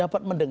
apa kabar regi